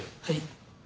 はい。